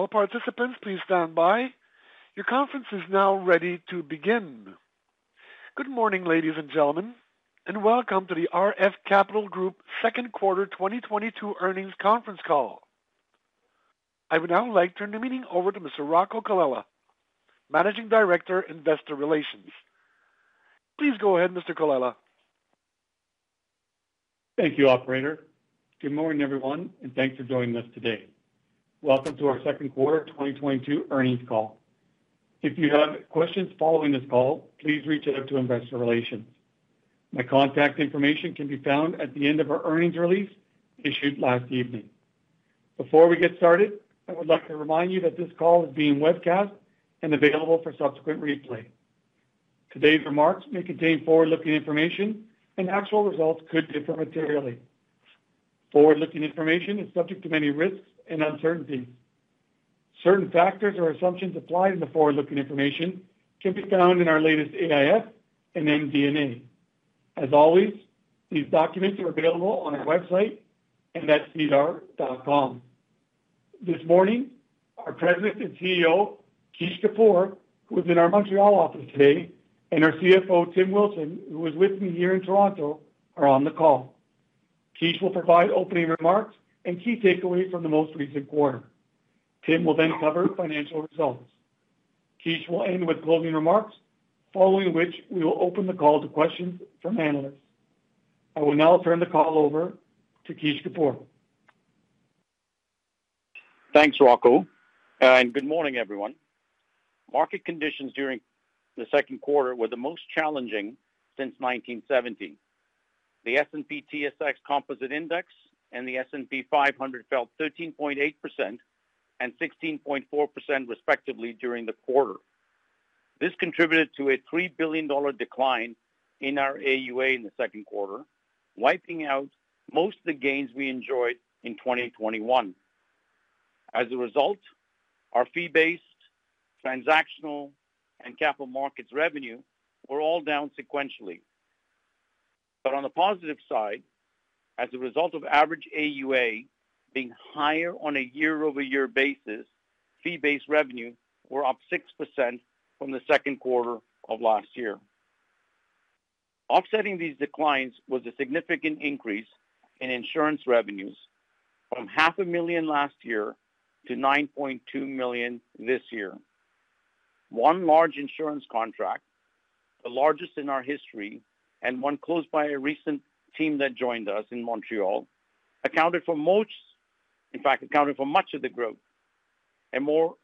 All participants, please stand by. Your conference is now ready to begin. Good morning, ladies and gentlemen, and welcome to the RF Capital Group second quarter 2022 earnings conference call. I would now like to turn the meeting over to Mr. Rocco Colella, Managing Director, Investor Relations. Please go ahead, Mr. Colella. Thank you, operator. Good morning, everyone, and thanks for joining us today. Welcome to our second quarter 2022 earnings call. If you have questions following this call, please reach out to investor relations. My contact information can be found at the end of our earnings release issued last evening. Before we get started, I would like to remind you that this call is being webcast and available for subsequent replay. Today's remarks may contain forward-looking information and actual results could differ materially. Forward-looking information is subject to many risks and uncertainties. Certain factors or assumptions applied in the forward-looking information can be found in our latest AIF and MD&A. As always, these documents are available on our website and at SEDAR. This morning, our President and CEO, Kish Kapoor, who is in our Montreal office today, and our CFO, Tim Wilson, who is with me here in Toronto, are on the call. Kish will provide opening remarks and key takeaways from the most recent quarter. Tim will then cover financial results. Kish will end with closing remarks, following which we will open the call to questions from analysts. I will now turn the call over to Kish Kapoor. Thanks, Rocco, and good morning, everyone. Market conditions during the second quarter were the most challenging since 1970. The S&P/TSX Composite Index and the S&P 500 fell 13.8% and 16.4% respectively during the quarter. This contributed to a 3 billion dollar decline in our AUA in the second quarter, wiping out most of the gains we enjoyed in 2021. As a result, our fee-based, transactional, and capital markets revenue were all down sequentially. On the positive side, as a result of average AUA being higher on a year-over-year basis, fee-based revenue were up 6% from the second quarter of last year. Offsetting these declines was a significant increase in insurance revenues from half a million last year to 9.2 million this year. One large insurance contract, the largest in our history, and one closed by a recent team that joined us in Montreal, accounted for most, in fact, accounted for much of the growth. More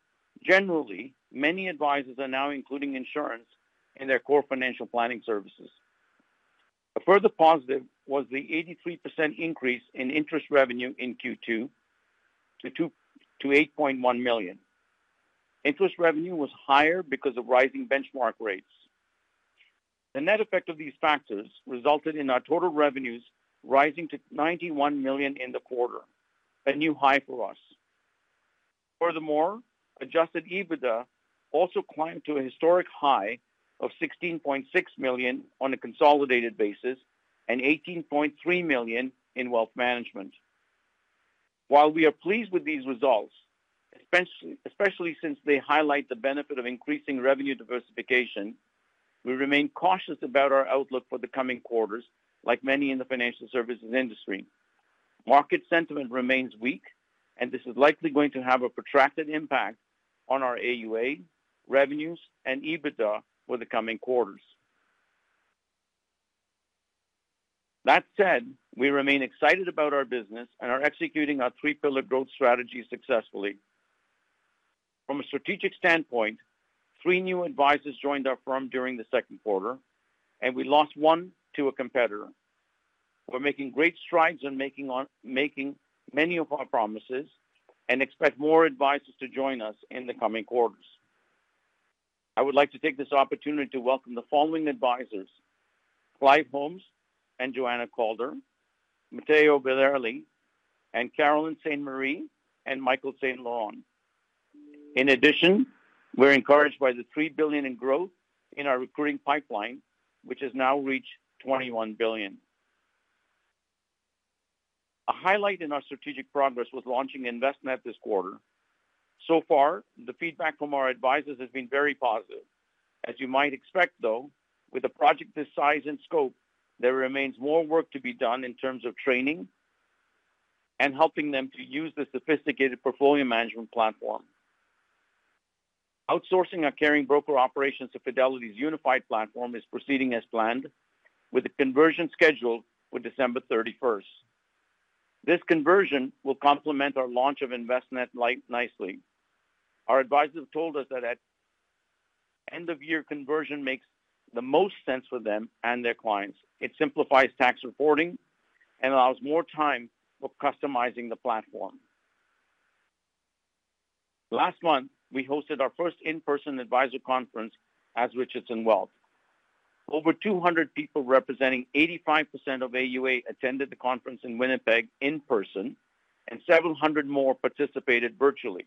generally, many advisors are now including insurance in their core financial planning services. A further positive was the 83% increase in interest revenue in Q2 to 8.1 million. Interest revenue was higher because of rising benchmark rates. The net effect of these factors resulted in our total revenues rising to 91 million in the quarter, a new high for us. Furthermore, adjusted EBITDA also climbed to a historic high of 16.6 million on a consolidated basis and 18.3 million in wealth management. While we are pleased with these results, especially since they highlight the benefit of increasing revenue diversification, we remain cautious about our outlook for the coming quarters, like many in the financial services industry. Market sentiment remains weak, and this is likely going to have a protracted impact on our AUA, revenues, and EBITDA for the coming quarters. That said, we remain excited about our business and are executing our three pillar growth strategy successfully. From a strategic standpoint, three new advisors joined our firm during the second quarter, and we lost one to a competitor. We're making great strides in making many of our promises and expect more advisors to join us in the coming quarters. I would like to take this opportunity to welcome the following advisors, Clive Holmes and Joanna Calder, Matteo Verrilli and Caroline St-Marie and Michel St-Laurent. In addition, we're encouraged by the 3 billion in growth in our recruiting pipeline, which has now reached 21 billion. A highlight in our strategic progress was launching Envestnet this quarter. So far, the feedback from our advisors has been very positive. As you might expect, though, with a project this size and scope, there remains more work to be done in terms of training and helping them to use the sophisticated portfolio management platform. Outsourcing our carrying broker operations to Fidelity's unified platform is proceeding as planned with the conversion schedule for December 31st. This conversion will complement our launch of Envestnet nicely. Our advisors told us that at end of year conversion makes the most sense for them and their clients. It simplifies tax reporting and allows more time for customizing the platform. Last month, we hosted our first in-person advisor conference as Richardson Wealth. Over 200 people representing 85% of AUA attended the conference in Winnipeg in person, and 700 more participated virtually.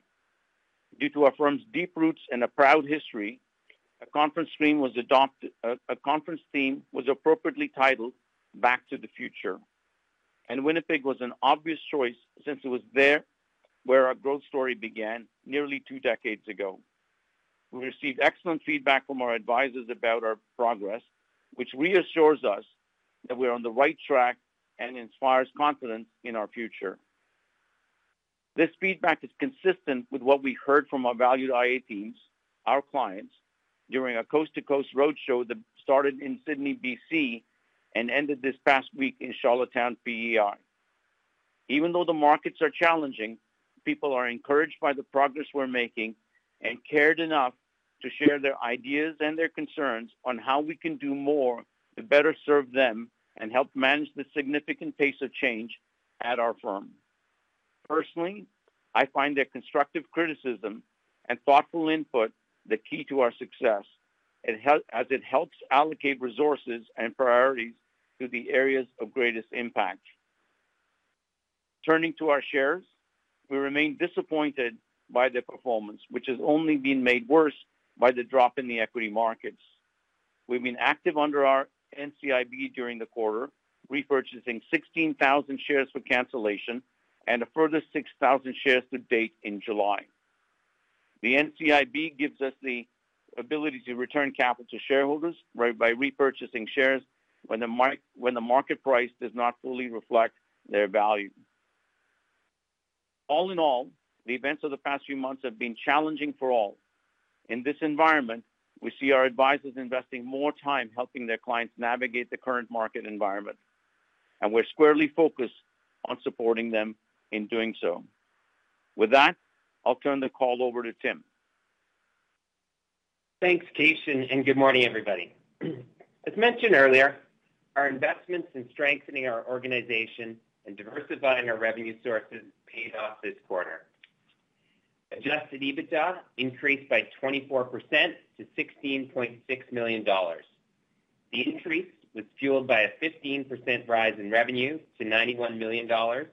Due to our firm's deep roots and a proud history, a conference theme was adopted, appropriately titled Back to the Future. Winnipeg was an obvious choice since it was there where our growth story began nearly two decades ago. We received excellent feedback from our advisors about our progress, which reassures us that we're on the right track and inspires confidence in our future. This feedback is consistent with what we heard from our valued IA teams, our clients, during a coast-to-coast roadshow that started in Sidney, BC, and ended this past week in Charlottetown, PEI. Even though the markets are challenging, people are encouraged by the progress we're making and cared enough to share their ideas and their concerns on how we can do more to better serve them and help manage the significant pace of change at our firm. Personally, I find their constructive criticism and thoughtful input the key to our success. As it helps allocate resources and priorities to the areas of greatest impact. Turning to our shares, we remain disappointed by their performance, which has only been made worse by the drop in the equity markets. We've been active under our NCIB during the quarter, repurchasing 16,000 shares for cancellation and a further 6,000 shares to date in July. The NCIB gives us the ability to return capital to shareholders by repurchasing shares when the market price does not fully reflect their value. All in all, the events of the past few months have been challenging for all. In this environment, we see our advisors investing more time helping their clients navigate the current market environment, and we're squarely focused on supporting them in doing so. With that, I'll turn the call over to Tim. Thanks, Kish, and good morning, everybody. As mentioned earlier, our investments in strengthening our organization and diversifying our revenue sources paid off this quarter. Adjusted EBITDA increased by 24% to 16.6 million dollars. The increase was fueled by a 15% rise in revenue to 91 million dollars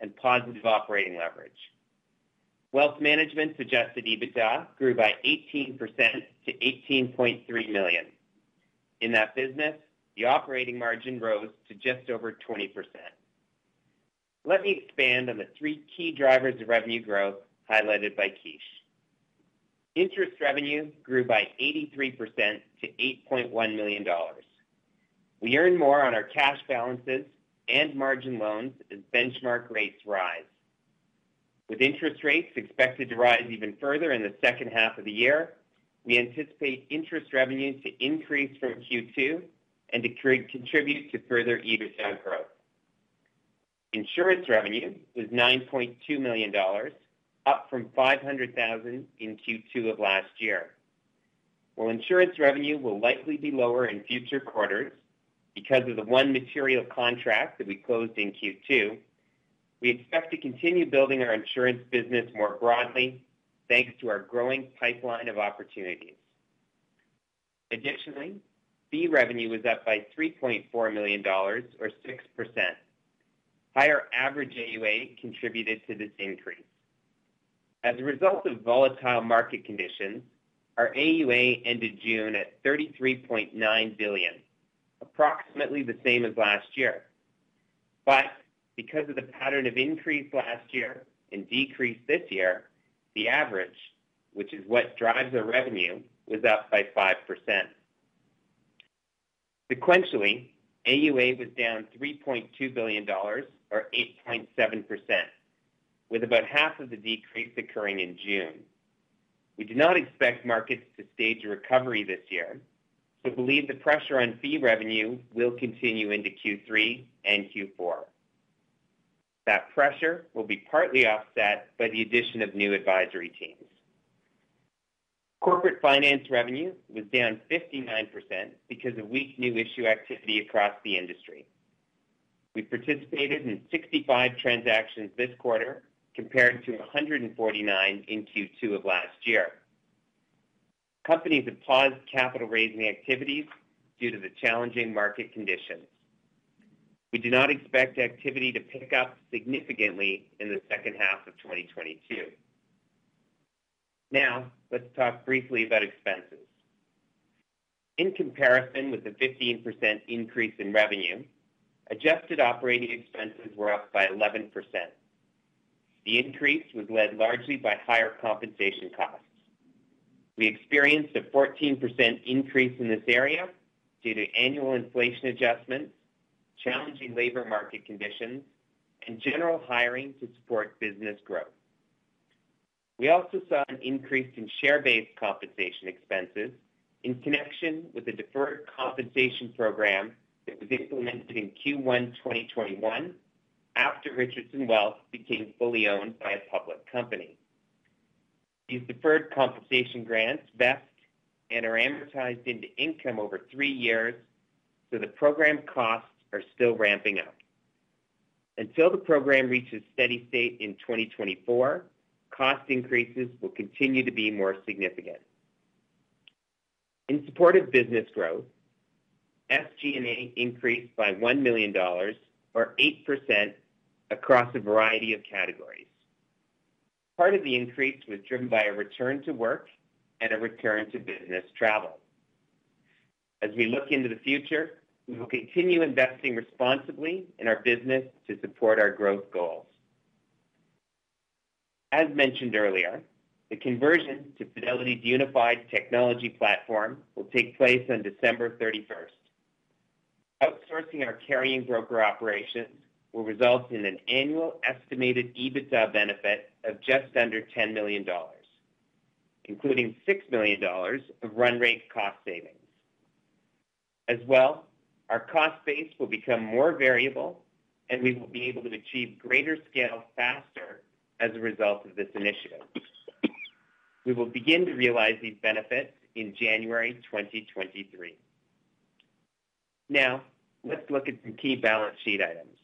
and positive operating leverage. Wealth management adjusted EBITDA grew by 18% to 18.3 million. In that business, the operating margin rose to just over 20%. Let me expand on the three key drivers of revenue growth highlighted by Kish. Interest revenue grew by 83% to 8.1 million dollars. We earn more on our cash balances and margin loans as benchmark rates rise. With interest rates expected to rise even further in the second half of the year, we anticipate interest revenues to increase from Q2 and to contribute to further EBITDA growth. Insurance revenue was 9.2 million dollars, up from 500,000 in Q2 of last year. While insurance revenue will likely be lower in future quarters because of the one material contract that we closed in Q2, we expect to continue building our insurance business more broadly, thanks to our growing pipeline of opportunities. Additionally, fee revenue was up by 3.4 million dollars or 6%. Higher average AUA contributed to this increase. As a result of volatile market conditions, our AUA ended June at 33.9 billion, approximately the same as last year. Because of the pattern of increase last year and decrease this year, the average, which is what drives our revenue, was up by 5%. Sequentially, AUA was down 3.2 billion dollars or 8.7%, with about half of the decrease occurring in June. We do not expect markets to stage a recovery this year, so believe the pressure on fee revenue will continue into Q3 and Q4. That pressure will be partly offset by the addition of new advisory teams. Corporate finance revenue was down 59% because of weak new issue activity across the industry. We participated in 65 transactions this quarter compared to 149 in Q2 of last year. Companies have paused capital-raising activities due to the challenging market conditions. We do not expect activity to pick up significantly in the second half of 2022. Now let's talk briefly about expenses. In comparison with the 15% increase in revenue, adjusted operating expenses were up by 11%. The increase was led largely by higher compensation costs. We experienced a 14% increase in this area due to annual inflation adjustments, challenging labor market conditions, and general hiring to support business growth. We also saw an increase in share-based compensation expenses in connection with the deferred compensation program that was implemented in Q1 2021 after Richardson Wealth became fully owned by a public company. These deferred compensation grants vest and are amortized into income over three years, so the program costs are still ramping up. Until the program reaches steady state in 2024, cost increases will continue to be more significant. In support of business growth, SG&A increased by 1 million dollars or 8% across a variety of categories. Part of the increase was driven by a return to work and a return to business travel. As we look into the future, we will continue investing responsibly in our business to support our growth goals. As mentioned earlier, the conversion to Fidelity's unified technology platform will take place on December 31st. Outsourcing our carrying broker operations will result in an annual estimated EBITDA benefit of just under 10 million dollars, including 6 million dollars of run rate cost savings. As well, our cost base will become more variable, and we will be able to achieve greater scale faster as a result of this initiative. We will begin to realize these benefits in January 2023. Now let's look at some key balance sheet items.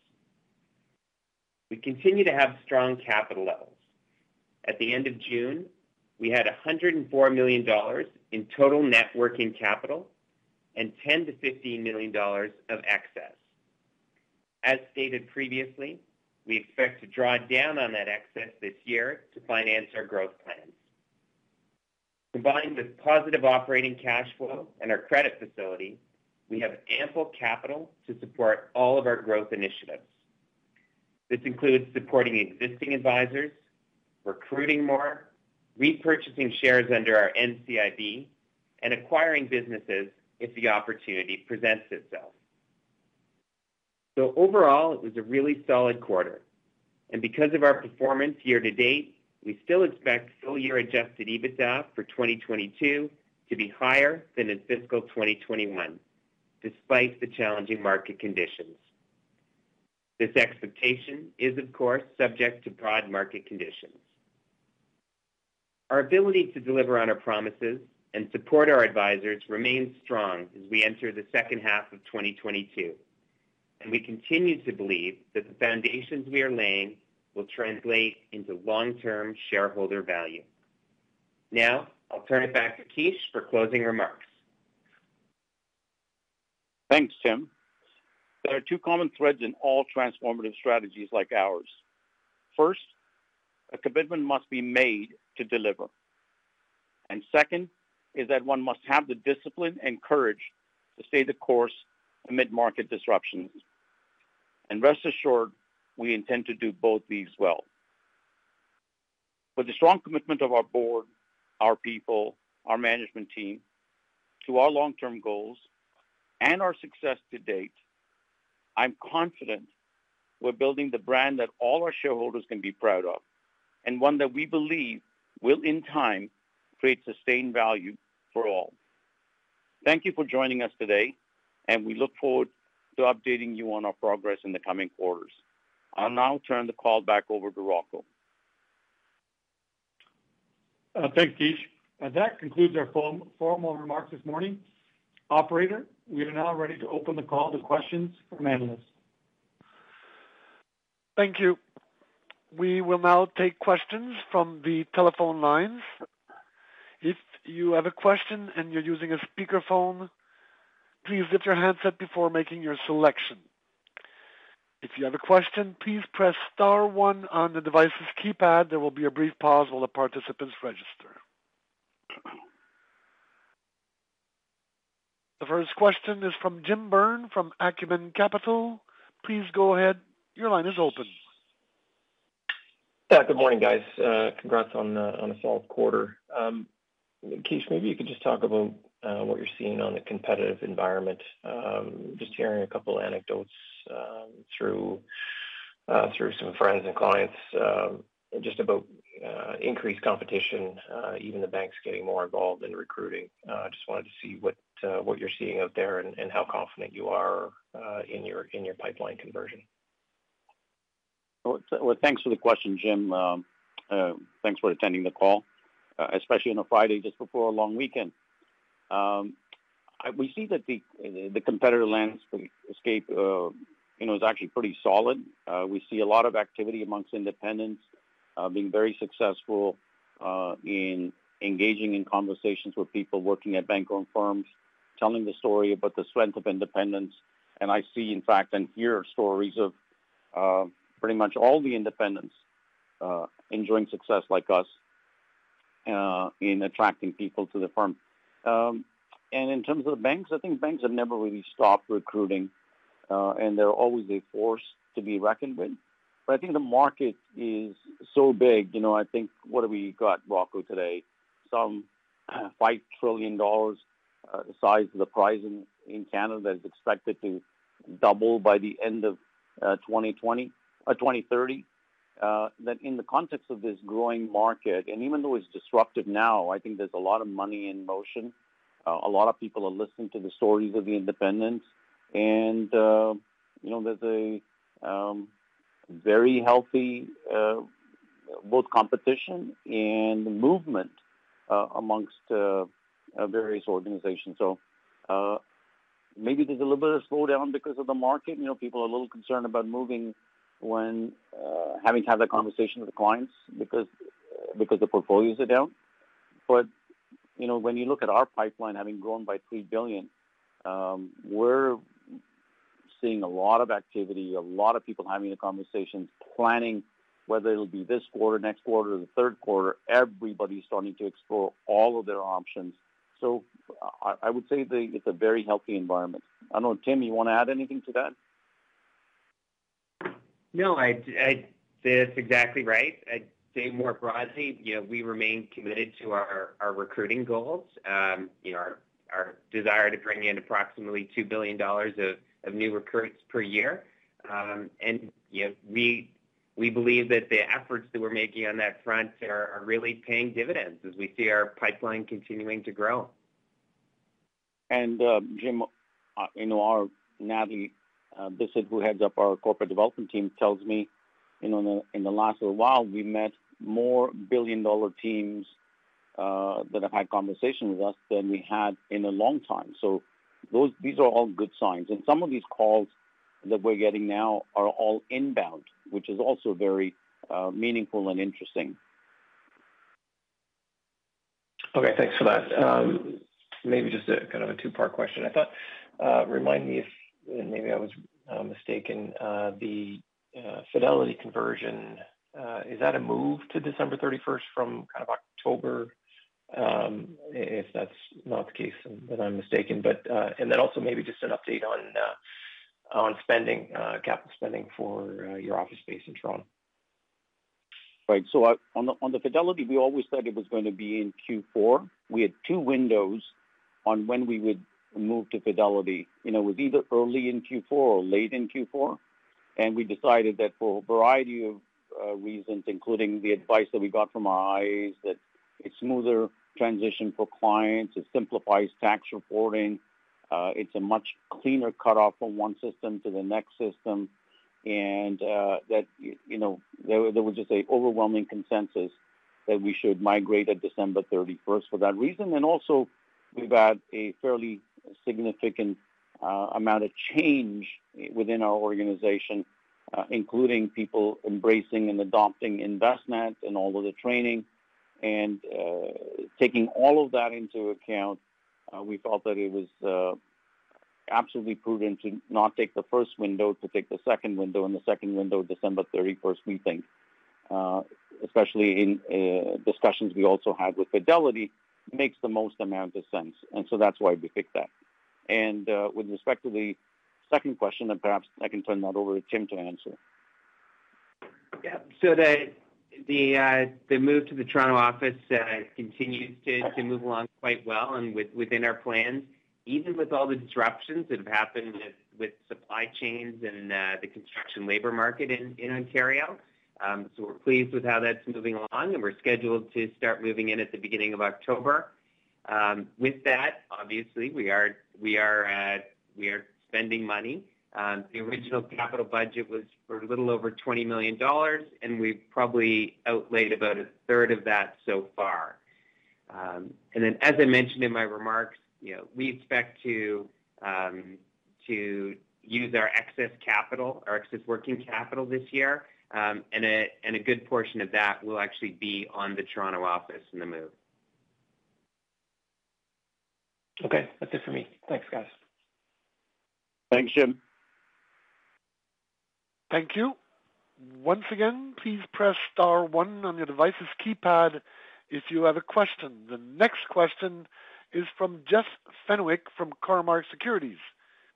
We continue to have strong capital levels. At the end of June, we had 104 million dollars in total net working capital and 10 million-15 million dollars of excess. As stated previously, we expect to draw down on that excess this year to finance our growth plans. Combined with positive operating cash flow and our credit facility, we have ample capital to support all of our growth initiatives. This includes supporting existing advisors, recruiting more, repurchasing shares under our NCIB, and acquiring businesses if the opportunity presents itself. Overall, it was a really solid quarter, and because of our performance year to date, we still expect full year adjusted EBITDA for 2022 to be higher than in fiscal 2021, despite the challenging market conditions. This expectation is of course subject to broad market conditions. Our ability to deliver on our promises and support our advisors remains strong as we enter the second half of 2022, and we continue to believe that the foundations we are laying will translate into long-term shareholder value. Now I'll turn it back to Kish for closing remarks. Thanks, Tim. There are two common threads in all transformative strategies like ours. First, a commitment must be made to deliver, and second is that one must have the discipline and courage to stay the course amid market disruptions. Rest assured, we intend to do both these well. With the strong commitment of our board, our people, our management team to our long-term goals and our success to date, I'm confident we're building the brand that all our shareholders can be proud of and one that we believe will, in time, create sustained value for all. Thank you for joining us today, and we look forward to updating you on our progress in the coming quarters. I'll now turn the call back over to Rocco. Thanks, Kish. That concludes our formal remarks this morning. Operator, we are now ready to open the call to questions from analysts. Thank you. We will now take questions from the telephone lines. If you have a question and you're using a speakerphone, please mute your handset before making your selection. If you have a question, please press star one on the device's keypad. There will be a brief pause while the participants register. The first question is from Jim Byrne from Acumen Capital. Please go ahead. Your line is open. Yeah. Good morning, guys. Congrats on a solid quarter. Kish, maybe you could just talk about what you're seeing on the competitive environment. Just hearing a couple anecdotes through some friends and clients, just about increased competition, even the banks getting more involved in recruiting. Just wanted to see what you're seeing out there and how confident you are in your pipeline conversion. Well, thanks for the question, Jim. Thanks for attending the call, especially on a Friday just before a long weekend. We see that the competitor landscape, you know, is actually pretty solid. We see a lot of activity among independents, being very successful, in engaging in conversations with people working at bank-owned firms, telling the story about the strength of independence. I see, in fact, and hear stories of, pretty much all the independents, enjoying success like us, in attracting people to the firm. In terms of the banks, I think banks have never really stopped recruiting, and they're always a force to be reckoned with. I think the market is so big. You know, I think, what have we got, Rocco, today? Some 5 trillion dollars, the size of the prize in Canada is expected to double by the end of 2030. That in the context of this growing market, and even though it's disruptive now, I think there's a lot of money in motion. A lot of people are listening to the stories of the independents and, you know, there's a very healthy both competition and movement amongst various organizations. Maybe there's a little bit of slowdown because of the market. You know, people are a little concerned about moving when having to have that conversation with the clients because the portfolios are down. You know, when you look at our pipeline having grown by 3 billion, we're seeing a lot of activity, a lot of people having the conversations, planning whether it'll be this quarter, next quarter, or the third quarter. Everybody's starting to explore all of their options. I would say that it's a very healthy environment. I don't know, Tim, you want to add anything to that? No, that's exactly right. I'd say more broadly, you know, we remain committed to our recruiting goals. You know, our desire to bring in approximately 2 billion dollars of new recruits per year. You know, we believe that the efforts that we're making on that front are really paying dividends as we see our pipeline continuing to grow. Jim, you know, our Natalie Bisset, who heads up our corporate development team, tells me, you know, in the last little while, we met more billion-dollar teams that have had conversations with us than we had in a long time. These are all good signs. Some of these calls that we're getting now are all inbound, which is also very meaningful and interesting. Okay, thanks for that. Maybe just a kind of a two-part question. Remind me if maybe I was mistaken, the Fidelity conversion, is that a move to December 31st from kind of October? If that's not the case, then I'm mistaken. Then also maybe just an update on capital spending for your office space in Toronto. Right. On the Fidelity, we always said it was gonna be in Q4. We had two windows on when we would move to Fidelity. You know, it was either early in Q4 or late in Q4. We decided that for a variety of reasons, including the advice that we got from our IAs, that it's a smoother transition for clients, it simplifies tax reporting, it's a much cleaner cutoff from one system to the next system. You know, there was just an overwhelming consensus that we should migrate at December 31st for that reason. Also we've had a fairly significant amount of change within our organization, including people embracing and adopting Envestnet and all of the training. Taking all of that into account, we felt that it was absolutely prudent to not take the first window, to take the second window. The second window, December 31st, we think, especially in discussions we also had with Fidelity, makes the most amount of sense. That's why we picked that. With respect to the second question, then perhaps I can turn that over to Tim to answer. The move to the Toronto office continues to move along quite well and within our plans, even with all the disruptions that have happened with supply chains and the construction labor market in Ontario. We're pleased with how that's moving along, and we're scheduled to start moving in at the beginning of October. With that, obviously, we are spending money. The original capital budget was for a little over 20 million dollars, and we've probably outlaid about a third of that so far. As I mentioned in my remarks, you know, we expect to use our excess capital, our excess working capital this year. A good portion of that will actually be on the Toronto office and the move. Okay. That's it for me. Thanks, guys. Thanks, Jim. Thank you. Once again, please press star one on your device's keypad if you have a question. The next question is from Jeff Fenwick from Cormark Securities.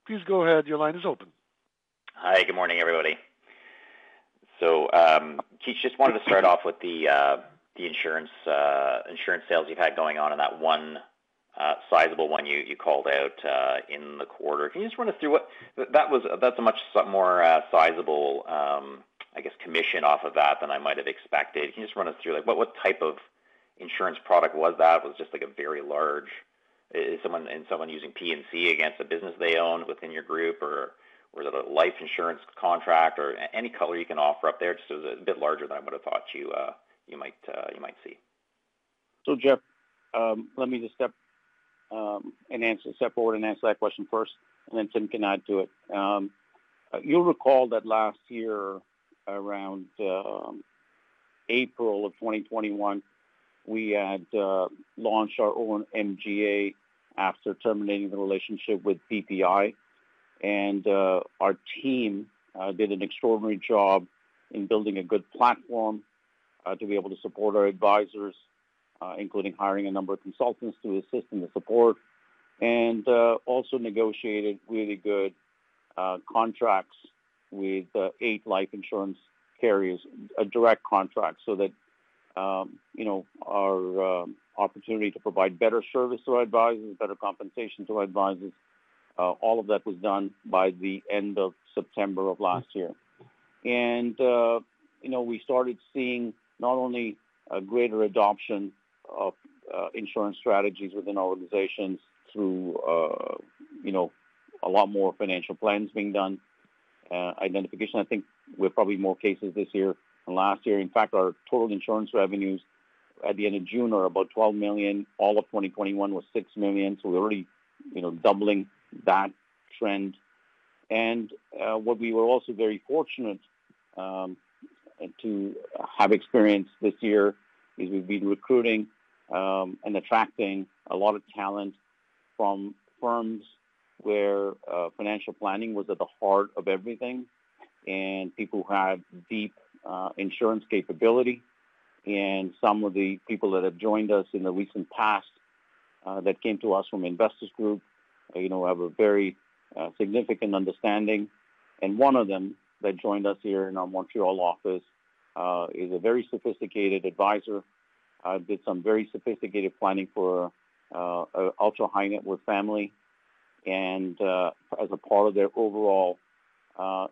Please go ahead. Your line is open. Hi. Good morning, everybody. Kish, just wanted to start off with the insurance sales you've had going on and that one sizable one you called out in the quarter. Can you just run us through what that was. That's a much more sizable, I guess, commission off of that than I might have expected. Can you just run us through like what type of insurance product was that? Was it just like a very large. Is someone using P&C against a business they own within your group or was it a life insurance contract or any color you can offer up there? Just it was a bit larger than I would have thought you might see. Jeff, let me just step forward and answer that question first, and then Tim can add to it. You'll recall that last year, around April of 2021, we had launched our own MGA after terminating the relationship with BPI. Our team did an extraordinary job in building a good platform to be able to support our advisors, including hiring a number of consultants to assist in the support, and also negotiated really good contracts with eight life insurance carriers, a direct contract, so that you know our opportunity to provide better service to our advisors, better compensation to our advisors. All of that was done by the end of September of last year. You know, we started seeing not only a greater adoption of insurance strategies within our organizations through you know, a lot more financial plans being done, identification. I think with probably more cases this year than last year. In fact, our total insurance revenues at the end of June are about 12 million. All of 2021 was 6 million. So we're already, you know, doubling that trend. What we were also very fortunate to have experience this year is we've been recruiting and attracting a lot of talent from firms where financial planning was at the heart of everything and people who have deep insurance capability. Some of the people that have joined us in the recent past that came to us from Investors Group, you know, have a very significant understanding. One of them that joined us here in our Montreal office is a very sophisticated advisor did some very sophisticated planning for a ultra-high-net-worth family. As a part of their overall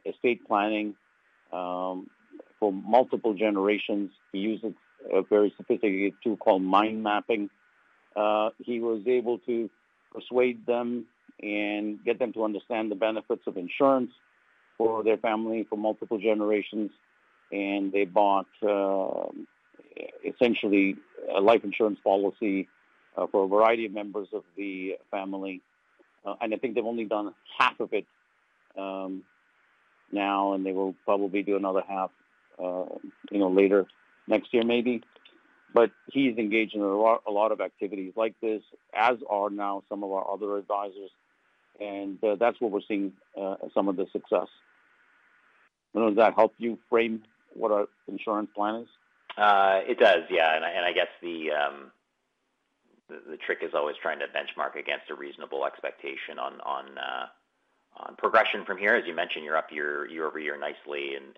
estate planning for multiple generations, he uses a very sophisticated tool called mind mapping. He was able to persuade them and get them to understand the benefits of insurance for their family for multiple generations. They bought essentially a life insurance policy for a variety of members of the family. I think they've only done half of it now, and they will probably do another half you know later next year, maybe. He's engaged in a lot of activities like this, as are now some of our other advisors, and that's what we're seeing some of the success. I don't know. Does that help you frame what our insurance plan is? It does, yeah. I guess the trick is always trying to benchmark against a reasonable expectation on progression from here. As you mentioned, you're up year-over-year nicely, and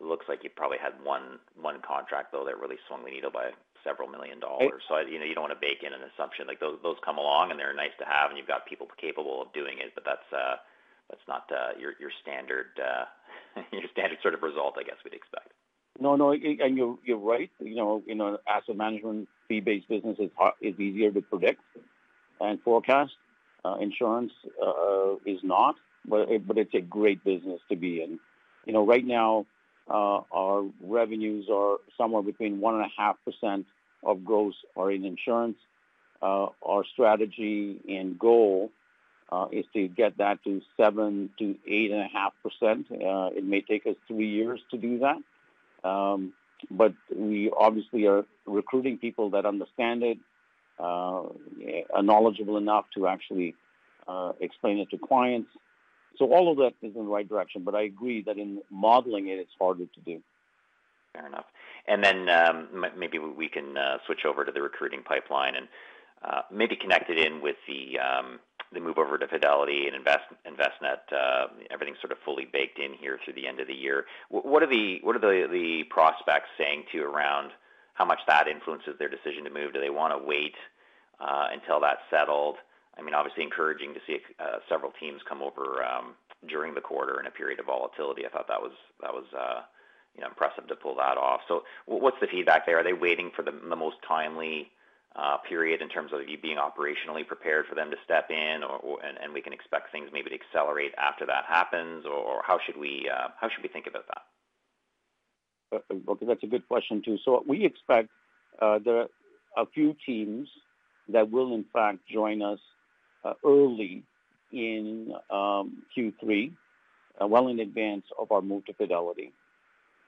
looks like you've probably had one contract though that really swung the needle by CAD several million. It- You know, you don't want to bake in an assumption. Like, those come along, and they're nice to have, and you've got people capable of doing it, but that's not your standard sort of result, I guess we'd expect. No, no. You're right. You know, asset management fee-based business is easier to predict and forecast. Insurance is not, but it's a great business to be in. You know, right now, our revenues are somewhere between 1.5% of gross are in insurance. Our strategy and goal is to get that to 7%-8.5%. It may take us three years to do that. We obviously are recruiting people that understand it, are knowledgeable enough to actually explain it to clients. All of that is in the right direction. I agree that in modeling it's harder to do. Fair enough. Maybe we can switch over to the recruiting pipeline and maybe connect it in with the move over to Fidelity and Envestnet. Everything's sort of fully baked in here through the end of the year. What are the prospects saying too around how much that influences their decision to move? Do they wanna wait until that's settled? I mean, obviously encouraging to see several teams come over during the quarter in a period of volatility. I thought that was, you know, impressive to pull that off. What's the feedback there? Are they waiting for the most timely period in terms of you being operationally prepared for them to step in or and we can expect things maybe to accelerate after that happens? How should we think about that? Okay, that's a good question, too. We expect there are a few teams that will in fact join us early in Q3, well in advance of our move to Fidelity.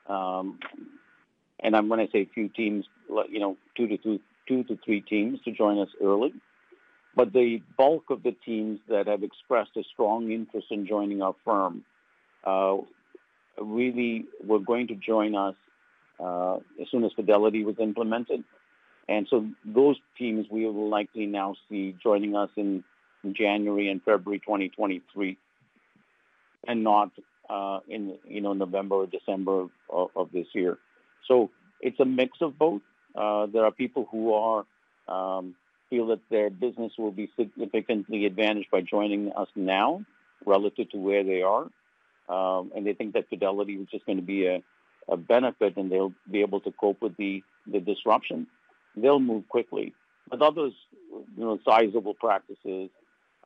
I'm gonna say a few teams, you know, 2-3 teams to join us early. The bulk of the teams that have expressed a strong interest in joining our firm really were going to join us as soon as Fidelity was implemented. Those teams we will likely now see joining us in January and February 2023 and not in, you know, November or December of this year. It's a mix of both. There are people who feel that their business will be significantly advantaged by joining us now relative to where they are. They think that Fidelity is just gonna be a benefit, and they'll be able to cope with the disruption. They'll move quickly. Others, you know, sizable practices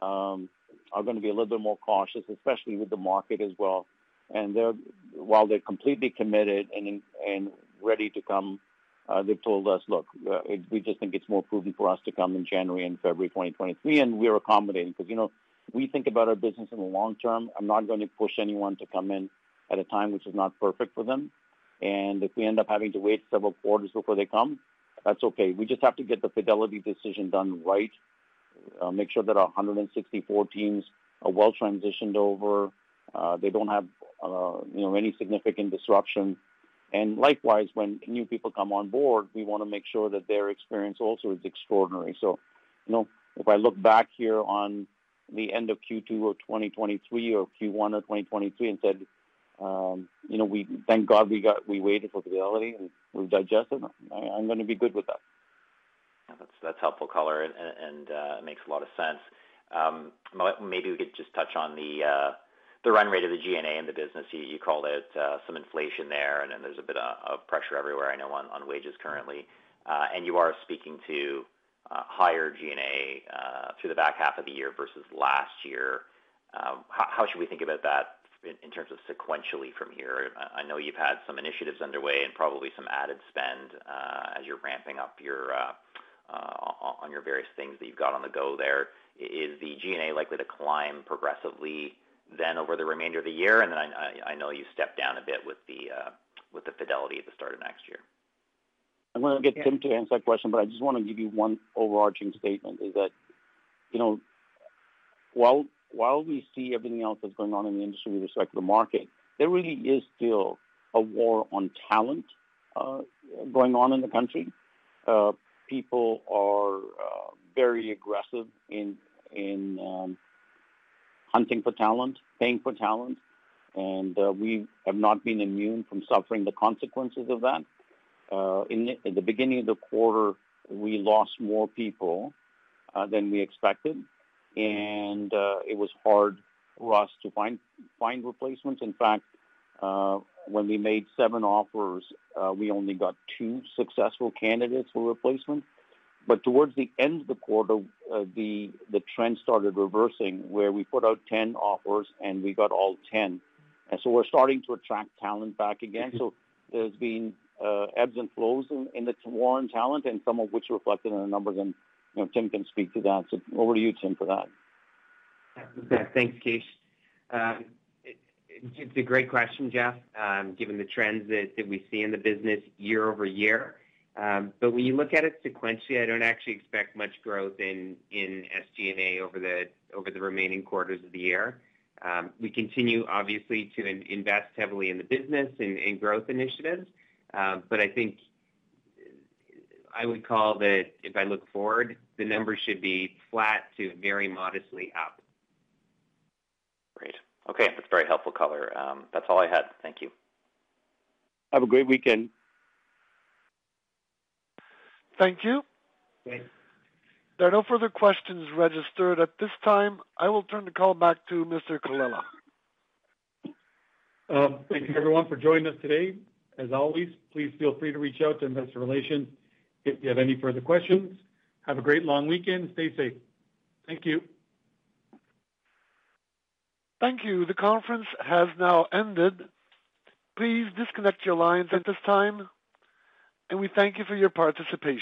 are gonna be a little bit more cautious, especially with the market as well. They're, while they're completely committed and ready to come, they've told us, "Look, we just think it's more prudent for us to come in January and February 2023," and we're accommodating. Because, you know, we think about our business in the long term. I'm not gonna push anyone to come in at a time which is not perfect for them. If we end up having to wait several quarters before they come, that's okay. We just have to get the Fidelity decision done right, make sure that our 164 teams are well transitioned over, they don't have, you know, any significant disruption. Likewise, when new people come on board, we wanna make sure that their experience also is extraordinary. You know, if I look back here on the end of Q2 of 2023 or Q1 of 2023 and said, you know, we waited for Fidelity and we've digested, I'm gonna be good with that. That's helpful color and makes a lot of sense. Maybe we could just touch on the run rate of the G&A in the business. You called out some inflation there, and then there's a bit of pressure everywhere, I know on wages currently. You are speaking to higher G&A through the back half of the year versus last year. How should we think about that in terms of sequentially from here? I know you've had some initiatives underway and probably some added spend as you're ramping up your on your various things that you've got on the go there. Is the G&A likely to climb progressively then over the remainder of the year? I know you stepped down a bit with the Fidelity at the start of next year. I'm gonna get Tim to answer that question, but I just wanna give you one overarching statement, is that, you know, while we see everything else that's going on in the industry with respect to the market, there really is still a war on talent going on in the country. People are very aggressive in hunting for talent, paying for talent, and we have not been immune from suffering the consequences of that. In the beginning of the quarter, we lost more people than we expected and it was hard for us to find replacements. In fact, when we made seven offers, we only got two successful candidates for replacement. Towards the end of the quarter, the trend started reversing, where we put out 10 offers and we got all 10. We're starting to attract talent back again. There's been ebbs and flows in the war on talent and some of which reflected in the numbers and, you know, Tim can speak to that. Over to you, Tim, for that. Thanks, Kish. It's a great question, Jeff, given the trends that we see in the business year-over-year. When you look at it sequentially, I don't actually expect much growth in SG&A over the remaining quarters of the year. We continue, obviously, to invest heavily in the business and in growth initiatives. I think I would call that if I look forward, the numbers should be flat to very modestly up. Great. Okay. That's very helpful color. That's all I had. Thank you. Have a great weekend. Thank you. Thanks. There are no further questions registered. At this time, I will turn the call back to Mr. Colella. Thank you everyone for joining us today. As always, please feel free to reach out to investor relations if you have any further questions. Have a great long weekend. Stay safe. Thank you. Thank you. The conference has now ended. Please disconnect your lines at this time, and we thank you for your participation.